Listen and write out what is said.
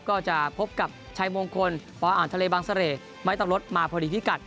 ก็จะพบกับชายมงคลพออ่านทะเลบางเสร่ไม้ตะลดมาพอดีพิกัด